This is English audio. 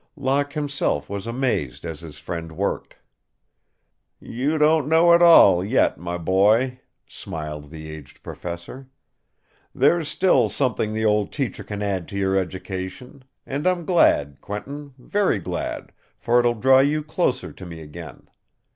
Locke himself was amazed as his friend worked. "You don't know it all yet my boy," smiled the aged professor. "There's still something the old teacher can add to your education, and I'm glad, Quentin, very glad, for it will draw you closer to me again.